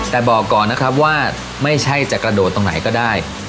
แต่บอกก่อนนะครับว่าไม่ใช่จะกระโดดตรงไหนก็ได้